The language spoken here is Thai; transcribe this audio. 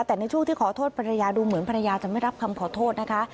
แต่ในช่วงที่ขอโทษภรรยาดูเหมือนภรรยาจะไม่รับคำขอโทษนะคะ